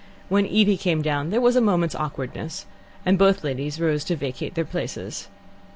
When Evie came down there was a moment's awkwardness, and both ladies rose to vacate their places.